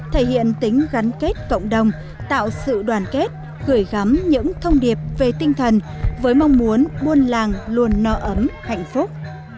thể hiện tính gắn kết cộng đồng tạo sự đoàn kết gửi gắm những thông điệp về tinh thần với mong muốn buôn làng luôn no ấm hạnh phúc